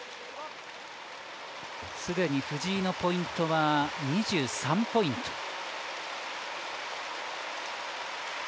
すでに藤井のポイントは２３ポイント。